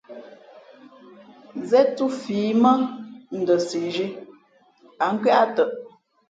Zén thūfǐ mά Ndαsizhī, ǎ nkwē ǎ tαʼ.